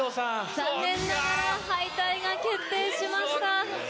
残念ながら敗退が決定しました。